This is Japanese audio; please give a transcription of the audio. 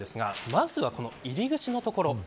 まずは、入り口のところ。